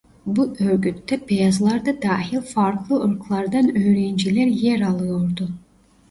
Bu örgütte beyazlar da dahil farklı ırklardan öğrenciler yer alıyordu.